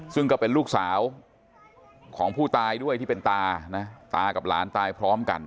ซึ่งก็เป็นลูกสาวของผู้ตายด้วยที่เป็นตานะตากับหลานตายพร้อมกัน